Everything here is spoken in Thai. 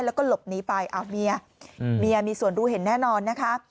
แล้วก็หลบหนีไปเมียเมียมีส่วนรู้เห็นแน่นอนนะคะ